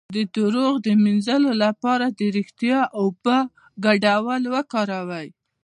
د دروغ د مینځلو لپاره د ریښتیا او اوبو ګډول وکاروئ